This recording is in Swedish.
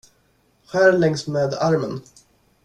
Skär längs med armen.